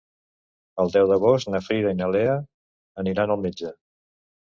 El deu d'agost na Frida i na Lea aniran al metge.